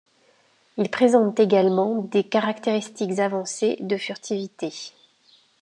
Il présente également des caractéristiques avancées de furtivité.